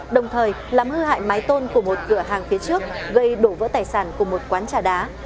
đồng thời làm hư hại mái tôn của một cửa hàng phía trước gây đổ vỡ tài sản của một quán trà đá